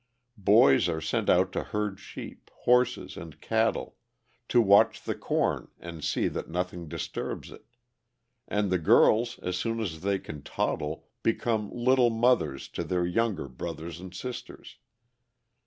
Boys are sent out to herd sheep, horses, and cattle; to watch the corn and see that nothing disturbs it. And the girls, as soon as they can toddle, become "little mothers" to their younger brothers and sisters.